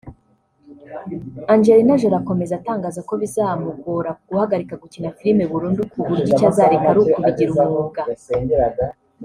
Angelina Jolie akomeza atangaza ko bizamugora guhagarika gukina filime burundu ku buryo icyo azareka ari ukubigira umwuga